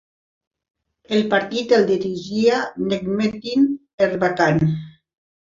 El partit el dirigia Necmettin Erbakan.